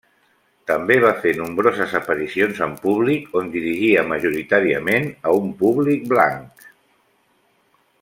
També va fer nombroses aparicions en públic on dirigia majoritàriament a un públic blanc.